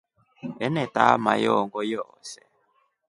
Enetaha mayoongo yoose.